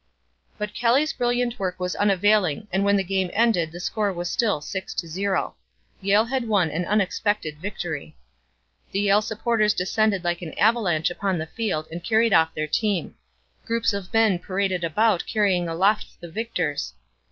But Kelly's brilliant work was unavailing and when the game ended the score was still 6 to 0. Yale had won an unexpected victory. The Yale supporters descended like an avalanche upon the field and carried off their team. Groups of men paraded about carrying aloft the victors.